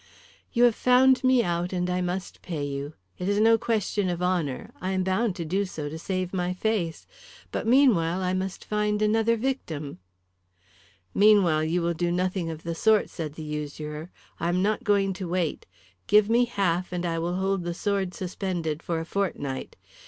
"You have found me out and I must pay you. It is no question of honour, I am bound to do so to save my face. But meanwhile I must find another victim." "Meanwhile you will do nothing of the sort," said the usurer. "I am not going to wait. Give me half and I will hold the sword suspended for a fortnight.